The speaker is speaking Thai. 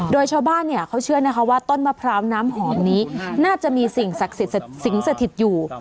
โดยชาวบ้านเขาเชื่อนะคะว่าต้นมะพร้าวน้ำหอมนี้น่าจะมีสิ่งศักดิ์สิทธิ์สิงสถิตอยู่